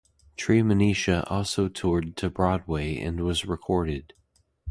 Treemonisha also toured to Broadway and was recorded.